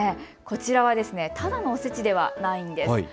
こちらはただのおせちではないんです。